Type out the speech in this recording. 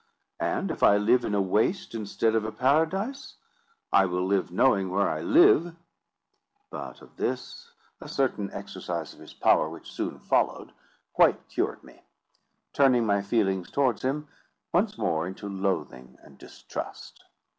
And if I live in a waste instead of a paradise, I will live knowing where I live." But of this a certain exercise of his power which soon followed quite cured me, turning my feelings towards him once more into loathing and distrust.